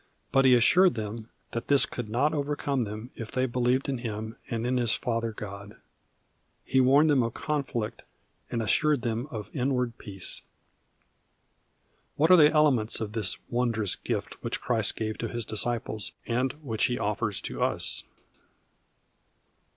But He assured them that this could not overcome them if they believed in Him and in His Father God. He warned them of conflict, and assured them of inward peace. What are the elements of this wondrous gift which Christ gave to His disciples, and which He offers to us?